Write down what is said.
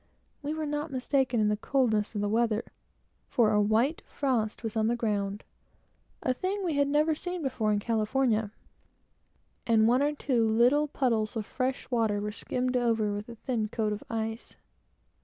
We were not mistaken in the coldness of the weather, for a white frost was on the ground, a thing we had never seen before in California, and one or two little puddles of fresh water were skimmed over with a thin coat of ice.